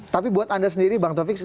tapi buat anda sendiri bang taufik